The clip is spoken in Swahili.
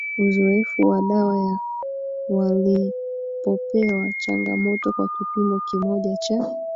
uzoevu wa dawa ya walipopewa changamoto kwa kipimo kimoja cha